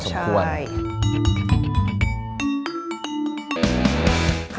เผ็บตรีพอสมควร